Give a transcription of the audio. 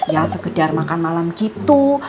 ya sekedar makan malam gitu